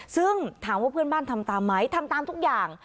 ซึ่งถามว่าเพื่อนบ้านทำตามไหมทำตามทุกอย่าง